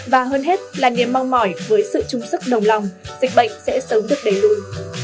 và hơn hết là niềm mong mỏi với sự trung sức nồng lòng dịch bệnh sẽ sớm được đẩy lùi